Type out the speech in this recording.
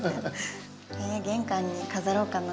玄関に飾ろうかな？